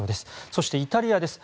そしてイタリアです。